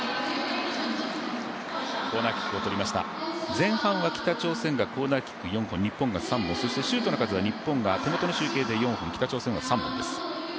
前半は北朝鮮がコーナーキック４本日本が３本、シュートの数が日本が手元の数字で４本、北朝鮮が３本です。